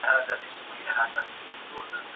هغوی په هغه وخت کې د کرکټ لوبه کوله.